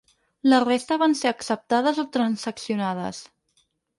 La resta van ser acceptades o transaccionades.